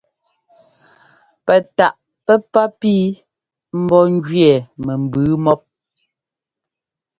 Pɛ taʼ pɛ́pá pii mbɔ́ ɛ́njʉɛ mɛ mbʉʉ mɔ́p.